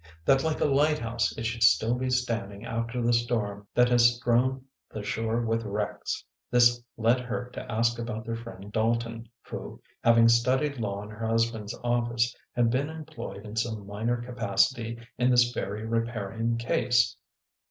That like a lighthouse it should still be standing after the storm that has strewn the shore with wrecks !" This led her to ask about their friend Dalton who, having studied law in her husband s office, had been employed in some minor capacity in this very Riparian case.